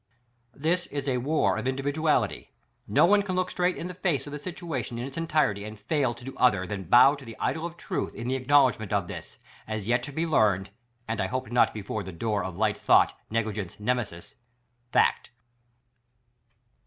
This is a WAR of individuality; no one can look straight in the face of the situation in its entirety and fail to do other than bow to the idol of truth in the acknowledgment of this, as yet to be learned, and I hope not before the door of Hght thought, negligence nemesis — fact.